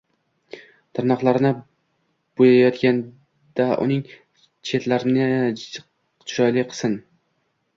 Tirnoqlarni boyayotganda uning chetlarichiroyli chiqsin.